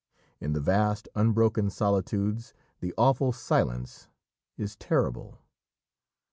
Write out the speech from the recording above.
In the vast unbroken solitudes the awful silence is terrible.